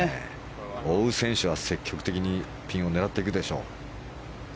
追う選手は積極的にピンを狙っていくでしょう。